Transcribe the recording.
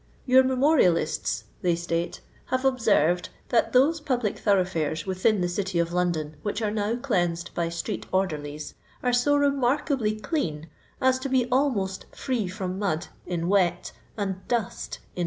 "Tour memorialists," they state, "have ob served that those public thoroughfiires within the city of London which are now cleansed by street orderlies, are so rtmarkably cUan as to be almost free from mud in wH, and dust in.